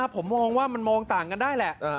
ผมมองว่ามันมองต่างกันได้แหละ